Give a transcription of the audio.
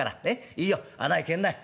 いいよ穴へ帰んない。